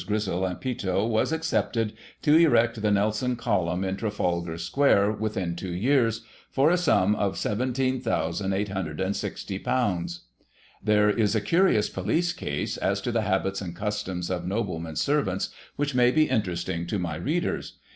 Grissell and Peto was accepted, to erect the Nelson Column in Trafalgar Square, within two years, for a sum of ;£" 17,860. There is a curious police case as to the habits and customs of Noblemen's servants, which may be interesting to my readers.